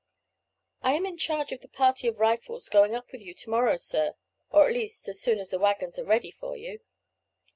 "I am in charge of the party of Rifles going up with you to morrow, sir, or at least as soon as the waggons are ready for you."